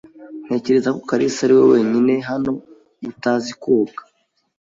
Ntekereza ko kalisa ariwe wenyine hano utazi koga.